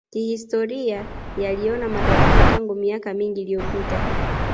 Kihistoria yaliona matatizo tangu miaka mingi iliyopita